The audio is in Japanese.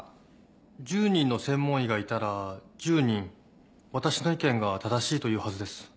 １０人の専門医がいたら１０人私の意見が正しいと言うはずです。